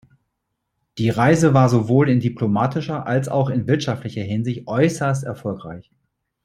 Die Reise war sowohl in diplomatischer als auch in wirtschaftlicher Hinsicht äußerst erfolgreich.